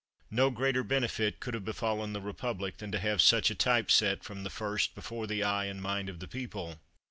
No greater benefit could have befallen the republic than to have such a type set from the first before the eye and mind of the people."